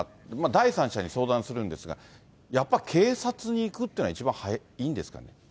第三者に相談するんですが、やっぱ警察に行くっていうのは一番いいんですかね。